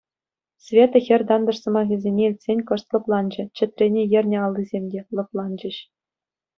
Света хӗр тантӑш сӑмахӗсене илтсен кӑшт лӑпланчӗ, чӗтрене ернӗ аллисем те лӑпланчӗҫ.